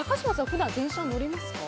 普段電車に乗りますか？